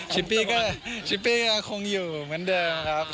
ชิปปี้ก็คงอยู่เหมือนเดิมครับครับผม